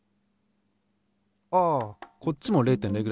ああこっちも０．０ｇだ。